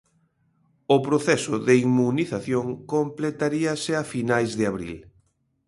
O proceso de inmunización completaríase a finais de abril.